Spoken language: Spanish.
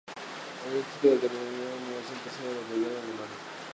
Es un distrito con alta densidad de población, el tercero en el territorio alemán.